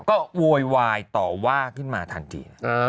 ก็โวยวายต่อว่าขึ้นมาทันที